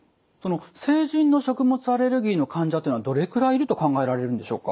成人の食物アレルギーの患者というのはどれくらいいると考えられるんでしょうか？